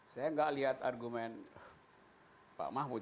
saya enggak lihat argumen pak mahmud